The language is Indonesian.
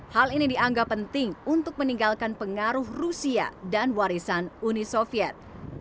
hal ini dianggap penting untuk meninggalkan pengaruh rusia dan warisan uni soviet